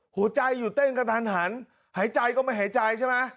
หัวใจหยุดเต้นกระทันหันหายใจก็ไม่หายใจใช่ไหม